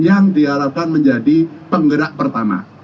yang diharapkan menjadi penggerak pertama